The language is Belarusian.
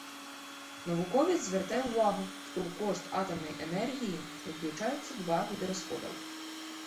Навуковец звяртае ўвагу, што ў кошт атамнай энергіі не ўключаюцца два віды расходаў.